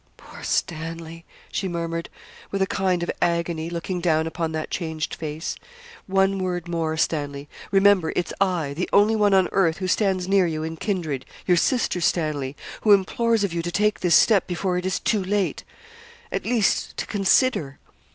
'Poor Stanley!' she murmured, with a kind of agony, looking down upon that changed face. 'One word more, Stanley. Remember, it's I, the only one on earth who stands near you in kindred, your sister, Stanley, who implores of you to take this step before it is too late; at least, to consider.'